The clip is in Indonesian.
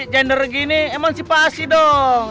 tender gini emansipasi dong